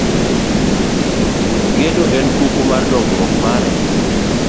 Gedo en kuku mar dongruok mar